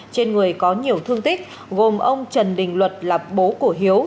trên người có nhiều thương tích gồm ông trần đình luật là bố của hiếu